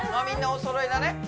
みんなおそろいだね。